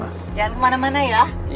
jangan kemana mana ya